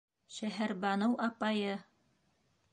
Шәһәрбаныу апайы!